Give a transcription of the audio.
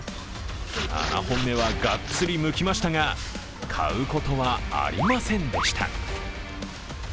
７本目はがっつりむきましたが買うことはありませんでした。